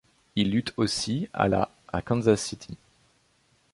Il lutte aussi à la à Kansas City.